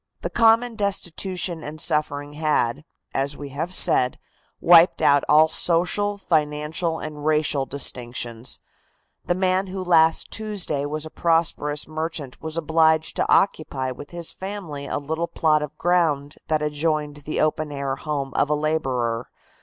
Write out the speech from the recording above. The common destitution and suffering had, as we have said, wiped out all social, financial and racial distinctions. The man who last Tuesday was a prosperous merchant was obliged to occupy with his family a little plot of ground that adjoined the open air home of a laborer.